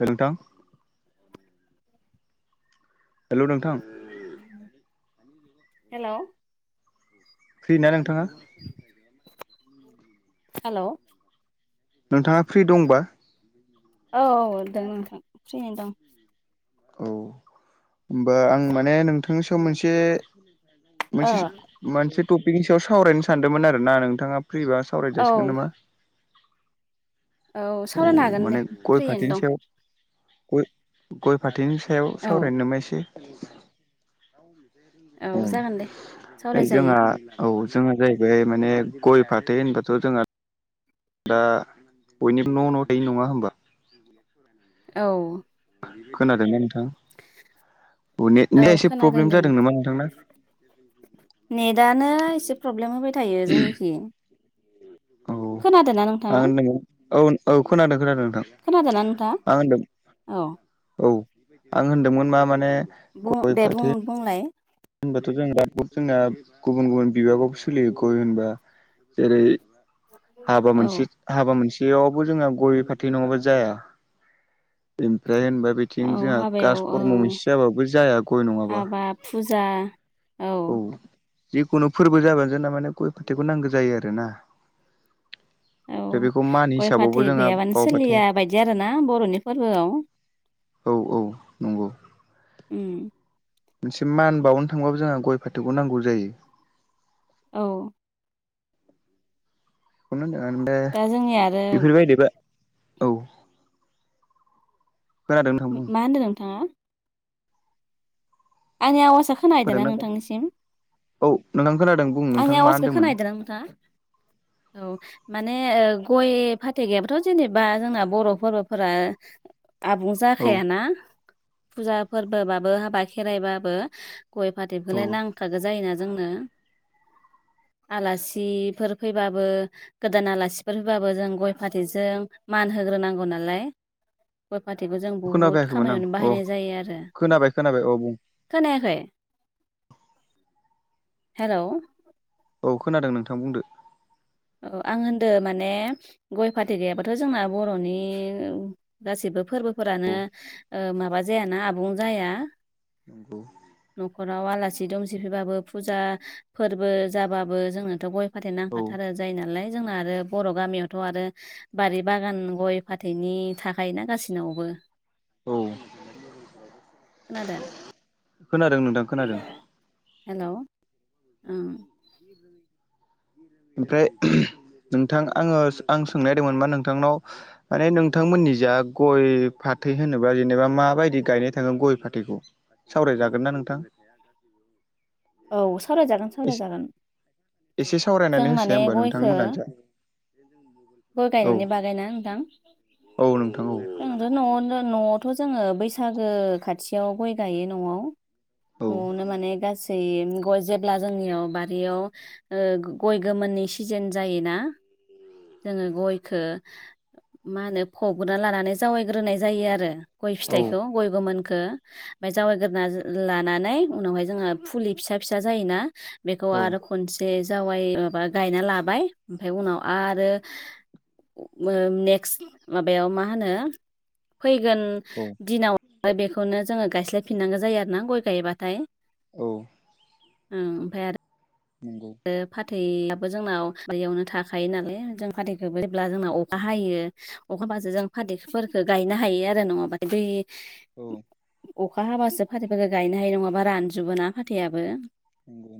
औ‌ नोंथां हेलौ नोंथां हेलौ फ्रि ना नोंथांआ हेल' नोंथाङा फ्रि दंबा औ औ द नोंथां फ्रिैनो दं औ होमबा आं माने नोंथांनि सायाव मोनसे औ मोनसे मोनसे टपिकनि सायाव सावरायनो सानदोंमोन आरो ना नोंथाङा फ्रिबा सावराय जासिगोन नामा औ औ सावरायनो हागोन दे माने गय फ्रियैनो दं फाटिनोसयाव गय फाथैनि सायाव औ सावरायनो नबायस औ जागोन दे जोंहा सावरायजायो औ जोंहा जाहैबाय माने गय फाथै होनबाथ' जोंहा दा बयनिबो न' न' थायो नङा होमबा औ खोनादोंना नोंथां नेटनिया औ एसे खोनादों प्रब्लेम दे जादों नामा नोंथांना नेटनो एसे प्रब्लेम होबाय थायो जोंनिखि औ खोनादों नों आं होनदों औ औ खोनादों खोनादों नोंथां खोनादों नोंथा आं होनदों औ औ आं होनदोंमोन मा माने बुं गय दे फाथै बुं बुंलाय होनबाथ' जों द जोंना गुबुन गुबुन बिबाबावबो सोलियो गय होनबा जेरै हाबा मोनसे औ हाबा मोनसेयावबो जोंहा गय फाथै नङाबा जाया ओमफ्राय होनबा बेथिं औ जोंहा हाबायाव कास औ फर्म' मोनसे जाबाबो जाया गय नङाबा हाबा फुजा औ जिखुनु फोरबो जाबानो जों न माने गय फाथैखौ नांगौ जायो आरो ना औ गय फाथै गैयाबानो बावबाथाय सोलिया बायदि आरोना बर'नि फोरबोआव औ औ नंगौ उम मोनसे मान बावनो थांबाबो जोंहा गय फाथोखौ नांगौ जायो औ खौनो होनदों ओमफ्राय दा जोंनिया आरो बेफोरबायदिबा औ खोनादों नोंथां बुं मा होन्दों नोंथाङा आंनि आवाजा खोनायदना खोनादोंना नोंथांनिसिम औ नोंथां खोनादों बुं नोंथां आंनि मा आवाजखौ होनदोंमोन खोनददों आ नोंथाङा औ माने गय फाथै गैयाबाथ' जेनेबा जोंना बर' फोरबोफोरा आबुं औ जाखायाना फुजा फोरबोबाबो हाबा खेराइबाबो गय औ फाथैखौलाय नांखागौ जायोना जोंनो [inaudible] आलासिफोर फैबाबो गोदान आलासिफोर होबाबो जों गय फाथैजों मान होग्रोनांगौ नालाय गय फाथैखौ जों बुहुत खोनाफैयाखैमोन आं खामानियावनो औ बाहायनाय जायो आरो खोनाबाय खोनाबाय औ बुं खोनाखै हेल' औ खोनादों नोंथां बुंदो औ आं होनदों माने गय फाथै गैयाबाथ' जोंना बर'नि गासिबो फोरबो फोरानो औ माबा जायाना आबुं जाया नंगौ न'खराव आलासि दुमसि फैबाबो फुजा फोरबो जाबाबो जोंनाथ' गय फााथेर औ नांखाथारो जायो नालाय जोंना आरो बर' गामियावथ' आरो बारि बागान गय फाथैनि थाखाय ना गासिनावबो औ खोनादों खोनादों नोंथां खोनादों हेल' [unintelligible] ओमफ्राय नोंथां आङो आं सोंनायदोंमोन मा नोंथांनाव माने नोंथांमोननि जा गय फाथै होनोबा जेनेबा माबायदि गायनाय थाङो गय फाथैखौ सावरायजागोन ना नोंथां [unintelligible] औ सावरायजागोन सावरायजागोन एसे जों सावरायनानै होसै माने होमबा गयखौ नोंथांमोना जा गय औ गायनायनि बागैनो नोंथां औ नोंथां औ जोंथ' न'आवनो न'आवथ' जोङो बैसागो खाथियाव गय गायो न'आव औ नआवनो माने गासै गै गय जेब्ला जोंनियाव बारियाव ओ गय गोमोननि सिजोन जायोना जोङो गयखौ मा होनो फबग्रा लानानै जावैग्रोनाय जायो आरो गय फिथाइखौ औ गय गोमोनखौ ओमफाय जावायग्रोना लानानै उनावहाय जोङो फुलि फिसा फिसा जायोना बेखौ आरो खनसे जावाइ माबा गायना लाबाय ओमफ्राय उनाव आरो ओ नेक्स्ट माबायाव मा होनो फैगोन औ दिनाव बेखौनो जोङो गायस्लायफिनांगौ जायो आरोना गय गायबाथाय ओम औ ओमफाय आरो नंगौ आरो फाथैआबो जोंनाव बारियावनो थाखायो नालाय जों फाथै जेब्ला जोंना अखा हायो अखाबाजो जों फाथैफोरखौ गायनो हायो आरो नङाबाथाय दै औ अखा हाबासो फाथैफोरखौ गायनो हायो नङाबा रानजोबो ना फाथैयाबो नोंगौ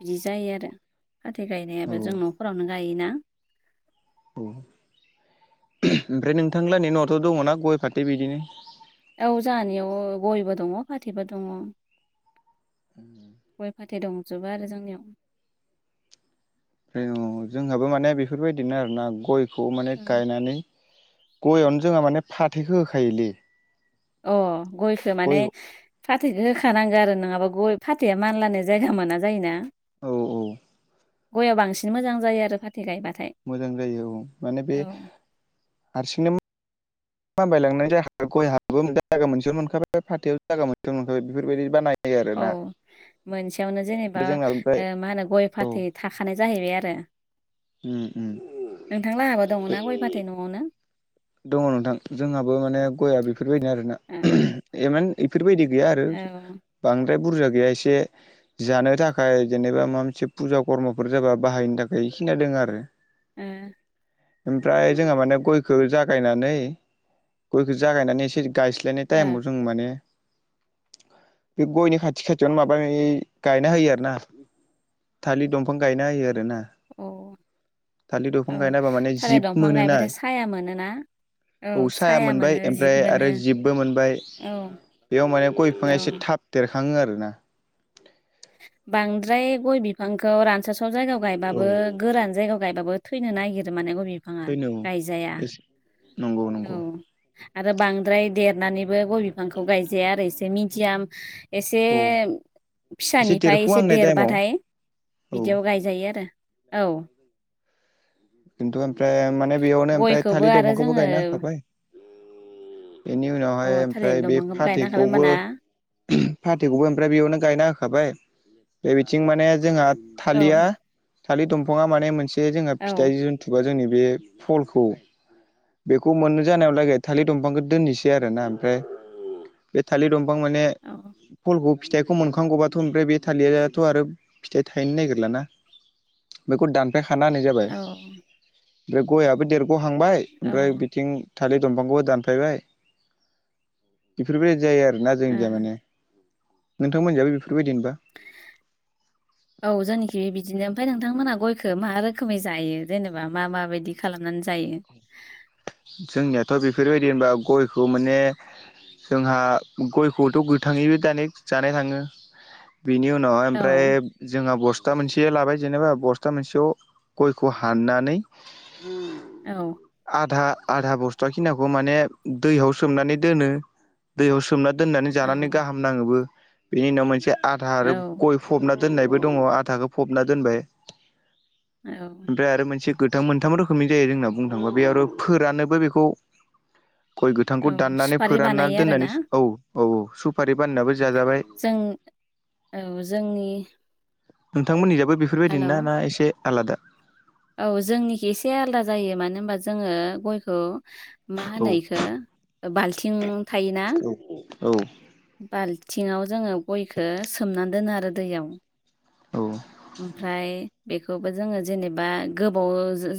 बिदि जायो आरो फाथै औ गायनायाबो जों न'फोररावनो गायोना औ ओमफ्राय नोंथांलाहानि न'आवथ' दङना गय फाथै बिदिनो औ जाहानियाव गयबो दङ फाथैबो दङ [inaudible] गय फाथै दंजोबो आरो जोंनियाव औ जोंहाबो माने बेफोरबायदिनो आरोना गयखौ माने गायनानै गयावनो जोंहा माने फाथैखौ होखायोलै अ गयखौ गय माने फाथैखौ होखानांगौ आरो नङाबा गय फाथैया मानलानो जायगा मोना जायोना औ औ गयाव बांसिन मोजां जायो आरो फाथै गायबाथाय मोजां जायो औ माने बे औ हारसिंनो माम बायलांनाय जाय गयहाबो जाया मोनसेयावनो मोनखाबाय फाथोययावबो जाया मोनसेयावनो मोनखाबाय बेफोरबायदि बानाय औ मोनसेयावनो जेनेबा जोंना ओमफ्राय मा होनो गय औ फाथै थाखानाय जाहैबाय आरो उम उम नोंथां लाहाबो दङना गय फाथै न'आवनो दङ नोंथां जोंहाबो माने गयआ बेफोरबायदिनो आरोना ओ इमान बेफोरबायदि गैया आरो औ बांद्राय बुरजा गैया एसे जानो थाखाय जेनेबा माबा मोनसे फुजा खर्मफोर जाबा बाहायनो थाखाय खिनादों आरो उम ओमफ्राय जोंहा माने गयखौ जा जागायनानै गयखौ जागायनानै एसे गायस्लायनाय ओ टाइमाव जों माने बे गयनि खाथि खाथिआवनो माबा ओइ गायना होयो आरो ना थालिथ दंफां गायना होयो आरोना ओ थालिद औ दंफां गायनाबा माने थालिर जिब दंफां मोनो ना गायबाथाय साया मोनोना औ साया मोनो मोनबाय जिब आमफ्राय मोनो आरो जिबबो मोनबाय औ बेआव माने गय बिफांआ एसे औ थाब देरखाङो आरोना बांद्राय गय बिफांखौ रानसाव साव जायगायाव औ गायबाबो गोरान जायगायाव गायबाबो थैनो नागिरो माने गय बिफांआ थैनो गायजाया औ नंगौ औ नंगौ आरो बांद्राय देरनानैबो गय बिफांखौ गायजाया आरो एसे मिदियाम एसे औ फिसानिफाय एसे देरफुहांनाय टाइमाव देरबाथाय औ बिदिआव गायजा जायो आरो औ खिन्थु आमफ्राय माने बेआवनो ओमफ्राय गयखौबो थालिद आरो दंफांखौबो जोङो गायना थाबाय बेनि उनावहाय अ थालिर आमफ्राय बे दंफांखौबो गायनो हाखाबाय फाथैखौबो होमबाना ओम फाथैखौबो आमफ्राय बेआवनो गायना होखाबाय बे बिथिं माने जोंहा थालिआ औ थालिद दंफांआ माने मोनसे जोंहा औ फिथाइ जन्थुबा जोंनि बे फलखौ बेखौ मोननो जानायावलागै थालिर दंफांखौ दोननोसै आरो ना आमफ्राय बे थालिद दंफां माने औ फलखौ फिथाइखौ मोनखांग'बाथ' आमफ्राय बे थालिदाथ' आरो फिथाइ थाहैनो नागिरलाना बेखौ दानफायखाना होनाय जाबाय औ बे गयाबो देरग'हांबाय ओ आमफ्राय बिथिं थालिथ दंफांखौबो दानफायबाय बेफोरबादि जायो आरोना जोंनिजा माने नोंथांमोनि जायबो बेफोरबादिनोबा औ जोंनिखैबो बिदिनो आमफ्राय नोंथांमोनहा गयखौ मा रोखोमै जायो जेनोबा मा माबायदि खालामनानै जायो जोंनिआथ' बेफोरबादि होनबा गयखौ माने जोंहा गयखौथ' गोथाङैबो दानिक जानाय थाङो बिनि उनावहाय आमफ्राय औ जोंहा बस्था मोनसे लाबाय जेनोबा बस्था मोनसेआव गयखौ हाननानै उम औ आधा आधा बस्थु खिनाखौ माने दैयाव सोमनानै दोनो दैयाव सोमनानै दोननानै औ जानानै गाम नाङोबो बेनि उनाव मोनसे औ आधार गय फबना दोननायबो दङ आधाखौ फ'बना दोनबाय औ आमफ्राय आरो मोनसे गोथां मोनथाम रोखोमनि जायो जोंना बुंनो थाङोबा बे आरो फोराननोबो बेखौ गय गोथांखौ औ दाननानै सुफारि फोरानना बानायो आरोना दोननानै औ औ औ सुपारि बानाय नाबो जाजाबाय जों औ जोंनि नोंथांमोननिजोबो बेफोरबादि हेलौ नो ना एसे आलादा औ जोंनिखि एसे आलदा जायो मानो होनबा जोङो गयखो मा औ होनो इखौ बाल्थिं थायोना औ बाल्थिंआव जोङो गयखौ सोमनानै दोनो आरो दैयाव औ आमफ्राय बेखौबो जोङो जेनोबा बा गोबाव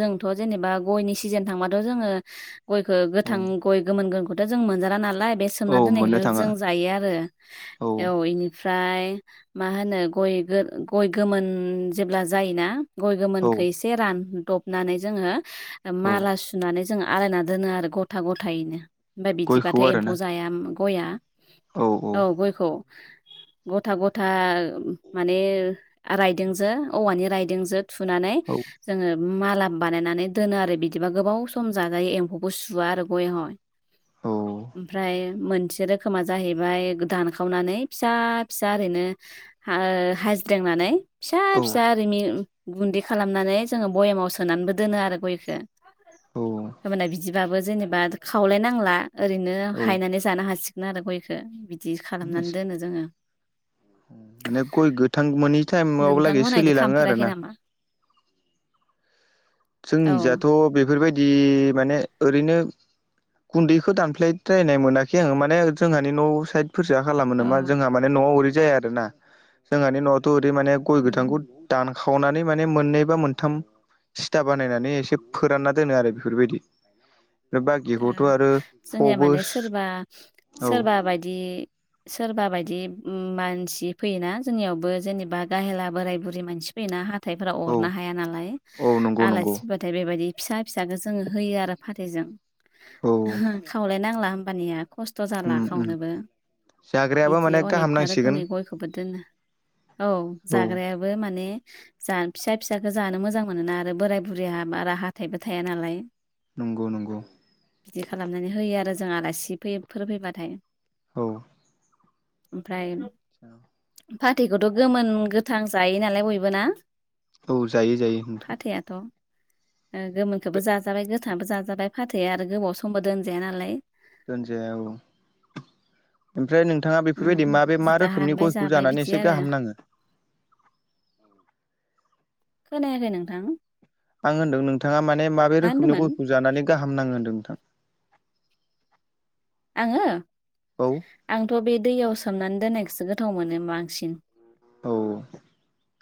जोंथ' जेनोबा गयनि सिजोन थांबाथ' जोङो गयखौ गोथां औ गय गोमोन गोमोनखौथ' जों मोनजा नालाय बे औ सोमना मोननो दोननायखौनो थाङा जों जायो आरो औ इनि फ्राय मा होनो गय गो गोमोन जेब्ला जायोना गय गोमोन औ गयखो एसे रानदबनानै जोङो औ माला सुनानै जों आलायना दोनो आरो गथा गथायैनो आमफ्राय गयखौ बिदिबाथाय एम्फौ आरोना जाया गया औ गयखौ गथा गथा माने रायदोंजों औवानि रायदोंजों थुनानै औ जोङो माला बानायनानै दोनो आरो बिदिबा गोबाव सम जाजायो एम्फौबो सुवा आरो गया हाय औ ओमफ्राय मोनसे रोखोमा जाहैबाय दानखावनानै फिसा फिसा ओरैनो हा ओ हाजिरनानै फिसा औ फिसा ओरै गुन्दै खालामनानै जोङो बयामाव सोनानैबो दोनो आरो गयखौ औ होबोनाय बिदिबाबो जेनेबा खावलायनांला ओरैनो औ हायनानै जानो हासिगोन आरो गयखौ बिदि खालामनानै दोनो जोङो माने गय गोथां मोनै टाइमावलागै नोंथांमोना बिदि सोलिलाङो आरो खालामफेराखै ना नामा औ जोंनि जाथ' बेफोरबायदि माने ओरैनो गुन्दैखौ दानफ्लायद्रायनाय मोनाखै आङो माने जोंहानि न' साइदफोरसो खालामो नामा औ जोंहा माने न'आव ओरै जाया आरो ना जोंहानि न'आवथ' ओरै माने गय गोथांखौ उम दानखावनानै माने मोननै बा मोनथाम था बानायनानै एसे फोरानना दोनो आरो बेफोरबायदि ओमफ्राय बाखिखौथ' उम आरो जोंनिया फबो माने सोरबा औ सोरबा बायदि सोरबा बायदि मानसि फैयोना जोंनियावबो जेनेबा गाहेला बोराय बुरै मानसि फैना हाथायफोरा औ अरनो हाया नालाय औ नंगौ नंगौ आलासि फैबाथाय बेबायदि फिसा फिसाखौ जोङो होयो आरो फाथैजों औ खावलायनांला होमबानिया खस्थ' जाला उम उम खावनोबो जाग्रायाबो बिदि माने गाहाम अनेकथा नांसिगोन रोखोमै गय बो दोनो औ औ जाग्रायाबो माने जान फिसा फिसखौ जानो मोजां मोनोना आरो बोराय बुरिया बारा हाथाइबो थाया नालाय नंगौ नंगौ बिदि खालामनानै होयो आरो जों आलासि फैफोर फैबाथाय औ ओमफ्राय औ फाथैखौथ' गोमोन गोथां जायो नालाय बयबो ना औ जायो जायो नोंथां फाथैयाथ' गोमोनखौबो जाजाबाय गोथाङाबो जाजाबाय फाथैया आरो गोबाव समबो दोनजाया नालाय दोनजाया औ ओमफ्राय नोंथाङा बेफोरबायदि ओम माबे मा जिथा रोखोमनि हानबाय गयखौ जाबाय जानानै बिदि एसे आरो गाहाम नाङो खोनायाखै नोंथां आं होन्दों नोंथाङा माने माबे मा रोखोमनि होनदोंमोन गयखौ जानानै गाहाम नाङो होन्दों नोंथां आङो औ आंथ' बे दैयाव सोमनानै दोन्नायखौसो गोथाव मोनो बांसिन औ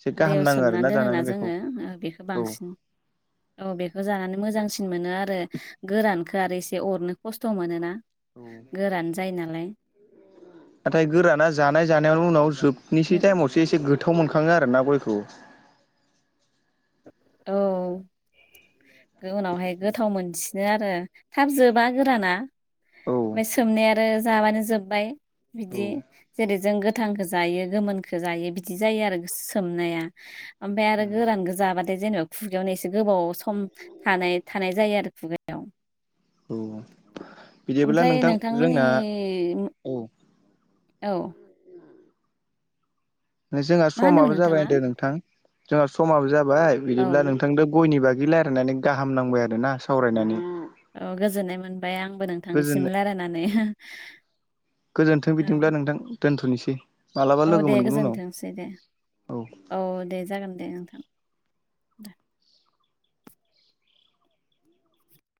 एसे गाहाम दैयाव नाङो सोमनानै आरोना दोनोना जानानै बेखौ जोङो बेखौ औ बांसिन औ बेखौ जानानै मोजांसिन मोनो आरो गोरानखौ आरो एसे अरनो खस्थ' मोनो ना गोरान जायो नालाय नाथाय गोराना जानाय जानायावनो उनाव जोबनिसै टाइमावसो एसे गोथाव मोनखाङो आरोना गयखौ औ उनावहाय गोथाव मोनसि नो आरो थाब जोबा गोराना औ ओमफ्राय सोमनाय आरो जाबानो जोब्बाय औ बिदि जेरै जों गोथांखौ जायो गोमोनखौ जायो बिदि जायो आरो सोमनाया ओमफ्राय आरो गोरानखो जाबाथाय जेनेबा खुगायावनो एसे गोबाव सम थानाय थानाय जायो आरो खुगा औ बिदिब्ला ओमफ्राय नोंथां नोंथांमोननि जोंना औ औ जोंहा मा होनदोंमोन समाबो नोंथाङा जाबाय दे नोंथां जोंहा समाबो जाबाय औ बिदिब्ला नोंथांजों गयनि बागै रायलायनानै गाहाम नांबाय आरो ना सावरायनानै औ गोजोननाय मोनबाय आंबो गोजोन नोंथांनिसिम रायलायनानै गोजोन्थों औ बिदिब्ला नोंथां दोनथ'नोसै मालाबा औ लोगो दे मोनगोन उनाव गोजोनथोंसै दे औ औ दे जागोन दे नोंथां